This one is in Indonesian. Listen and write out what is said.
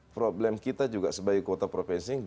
problem kita juga sebagai kota provinsi